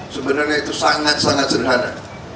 sebenarnya itu sangat sangat sederhana